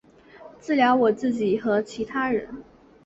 治疗我自己和其他人